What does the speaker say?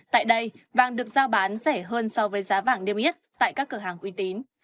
tại đây vàng được giao bán rẻ hơn so với giá vàng niêm yết tại các cửa hàng uy tín